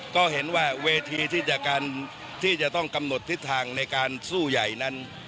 ก็เห็นว่าเวทีที่จะต้องกำหนดทิศทางในการสู้ใหญ่นั้น